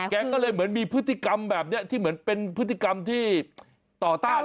แกก็เลยเหมือนมีพฤติกรรมแบบนี้ที่เหมือนเป็นพฤติกรรมที่ต่อต้าน